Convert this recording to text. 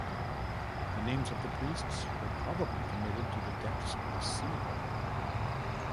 The names of the priests were probably committed to the depths of the sea.